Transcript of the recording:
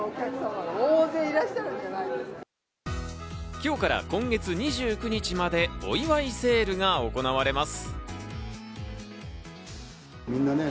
今日から今月２９日までお祝いセールが行われます。